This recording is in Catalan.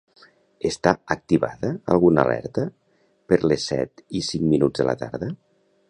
Està activada alguna alerta per les set i cinc minuts de la tarda?